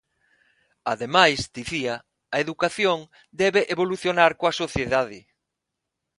Ademais, dicía, a educación "debe evolucionar coa sociedade".